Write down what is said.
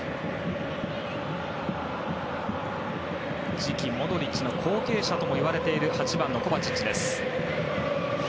次期モドリッチの後継者ともいわれている８番のコバチッチ。